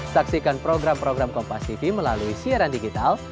saksikan program program kompastv melalui siaran digital